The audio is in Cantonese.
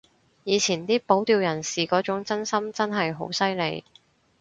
以前啲保釣人士嗰種真心真係好犀利